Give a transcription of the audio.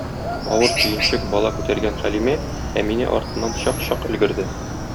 Авыр төенчек, бала күтәргән Хәлимә Әминә артыннан чак-чак өлгерде.